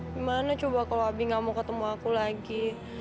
gimana coba kalau abi gak mau ketemu aku lagi